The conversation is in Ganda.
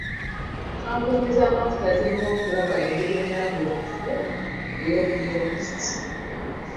Kampuni z'amafuta ziyina okulaba engeri ennambulukufu ey'okuyiwa kasasiro.